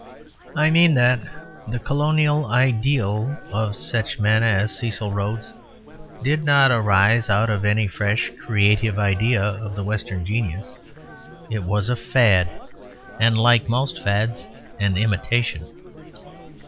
I mean that the colonial ideal of such men as Cecil Rhodes did not arise out of any fresh creative idea of the Western genius, it was a fad, and like most fads an imitation.